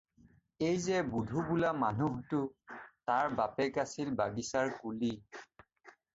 এই যে বুধু বোলা মানুহটো, তাৰ বাপেক আছিল বাগিচাৰ কুলি।